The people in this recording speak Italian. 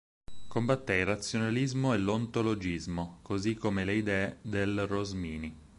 Combatté il razionalismo e l'ontologismo, così come le idee del Rosmini.